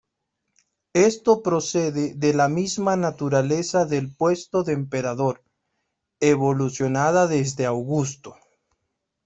Esto procede de la misma naturaleza del puesto de emperador, evolucionada desde Augusto.